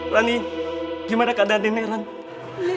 lani gimana keadaan nenek lani